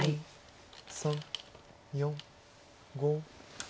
３４５。